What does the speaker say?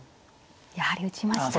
やはり打ちました。